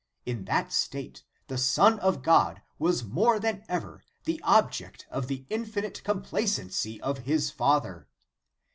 In that state, the Son of God was more than ever the object of the. infinite complacency of His Father.